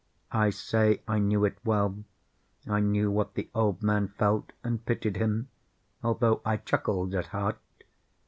I say I knew it well. I knew what the old man felt, and pitied him, although I chuckled at heart.